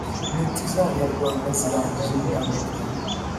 Intiti z’ Abanyarwanda zarangije muri Amerika